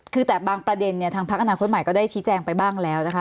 คือแต่บางประเด็นเนี่ยทางพักอนาคตใหม่ก็ได้ชี้แจงไปบ้างแล้วนะคะ